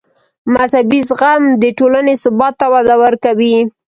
مذهبي زغم د ټولنې ثبات ته وده ورکوي.